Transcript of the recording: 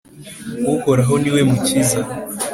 uhoraho ni we mukiza!